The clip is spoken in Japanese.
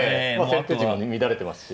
先手陣も乱れてますし。